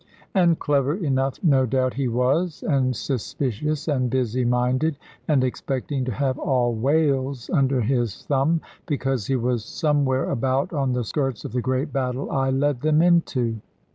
And clever enough no doubt he was, and suspicious, and busy minded, and expecting to have all Wales under his thumb, because he was somewhere about on the skirts of the great battle I led them into.